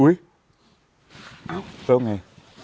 อุ๊ยเขาไง